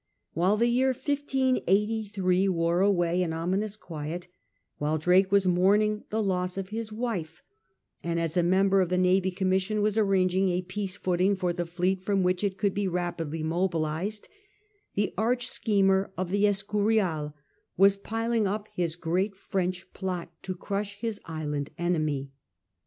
While the year 1583 wore away in ominous quiet, while Drake was mourning the loss of his wife, and as a member of the Navy Commission was arranging a peace footing for the fleet from which it could be rapidly mobilised, the arch schemer of the Escurial was piling up his great French plot to crush his island enemy.